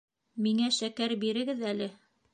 Миңә шәкәр бирегеҙ әле.